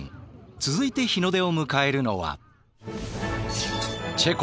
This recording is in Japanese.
続いて日の出を迎えるのは。